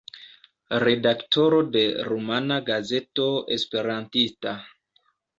Redaktoro de Rumana Gazeto Esperantista.